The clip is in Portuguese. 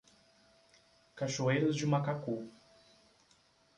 Cachoeiras de Macacu